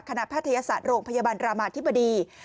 แพทยศาสตร์โรงพยาบาลรามาธิบดี